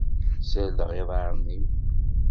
Ssardeɣ iḍarren-iw.